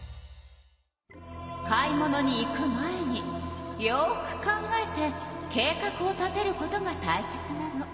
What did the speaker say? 買い物に行く前によく考えて計画を立てることがたいせつなの。